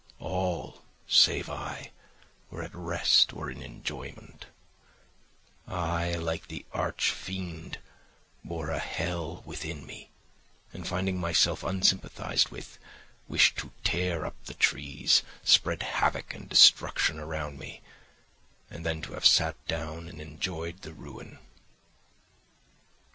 All, save I, were at rest or in enjoyment; I, like the arch fiend, bore a hell within me, and finding myself unsympathised with, wished to tear up the trees, spread havoc and destruction around me, and then to have sat down and enjoyed the ruin.